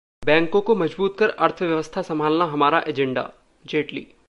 बैंकों को मजबूत कर अर्थव्यवस्था संभालना हमारा एजेंडाः जेटली